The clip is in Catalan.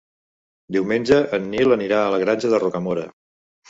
Diumenge en Nil anirà a la Granja de Rocamora.